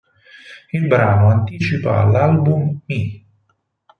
Il brano anticipa l'album "Me.